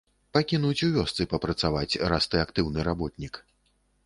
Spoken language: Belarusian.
Пакінуць у вёсцы папрацаваць, раз ты актыўны работнік.